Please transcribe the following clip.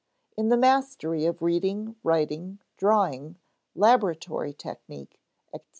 In the mastery of reading, writing, drawing, laboratory technique, etc.